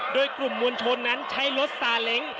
โดยกลุ่มมวลชนนั้นใช้รถซาเล้ง